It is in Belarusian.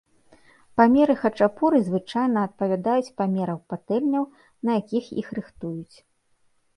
Памеры хачапуры звычайна адпавядаюць памерам патэльняў, на якіх іх рыхтуюць.